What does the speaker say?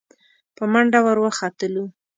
په منډه ور وختلو.